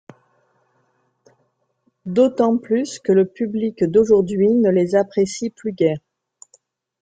D'autant plus que le public d'aujourd'hui ne les apprécie plus guère.